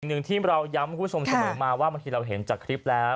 หนึ่งที่เราย้ำคุณผู้ชมเสมอมาว่าบางทีเราเห็นจากคลิปแล้ว